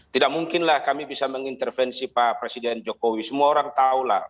tidak mungkinlah kami bisa mengintervensi pak presiden jokowi semua orang tahu lah